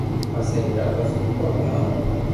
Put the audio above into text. پسي بي ڌاڌو دوک ڀوگيو ھو